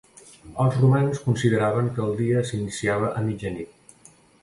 Els romans consideraven que el dia s'iniciava a mitjanit.